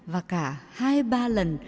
và cả hai ba lần